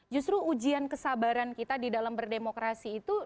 justru ujian kesabaran kita di dalam berdemokrasi itu